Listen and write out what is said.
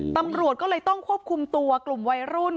ตำรวจก็เลยต้องควบคุมตัวกลุ่มวัยรุ่น